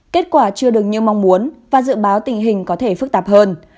kết quả chưa đừng như mong muốn và dự báo tình hình có thể phức tạp hơn